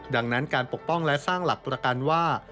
ดังนั้นการปกป้องและสร้างหลักประกันว่า